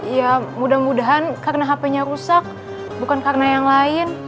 ya mudah mudahan karena hp nya rusak bukan karena yang lain